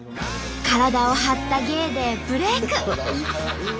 体を張った芸でブレーク。